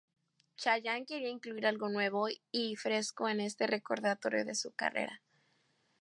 Chayanne quería incluir algo nuevo y fresco en este recordatorio de su carrera.